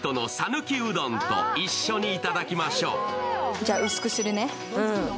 じゃあ、薄くするね。